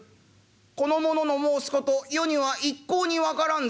この者の申す事余には一向に分からんぞ」。